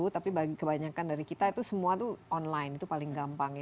tapi kebanyakan dari kita itu semua itu online itu paling gampang ya